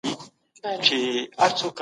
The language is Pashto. که مرګ په لار کي وکړي ځنډ ، که ژر تر ژره راسي